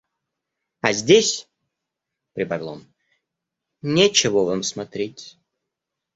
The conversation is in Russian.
«А здесь, – прибавил он, – нечего вам смотреть».